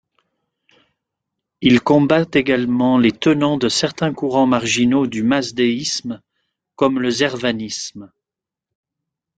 Il combat également les tenants de certains courants marginaux du mazdéisme, comme le zervanisme.